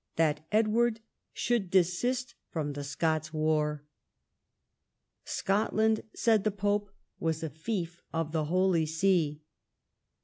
that Edward should desist from the Scots war. Scotland, said the pope, was a fief of the Holy See.